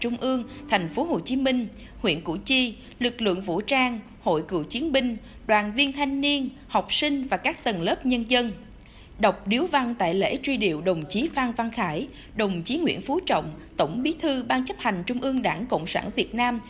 nguyễn phú trọng tổng bí thư ban chấp hành trung ương đảng cộng sản việt nam